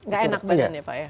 gak enak bahannya pak ya